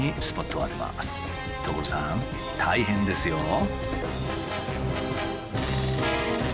大変ですよ。